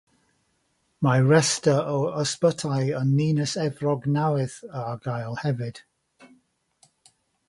Mae rhestr o ysbytai yn Ninas Efrog Newydd ar gael hefyd.